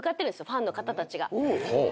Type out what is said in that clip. ファンの方たちが。